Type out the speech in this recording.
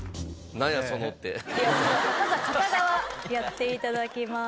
まずは片側やって頂きます。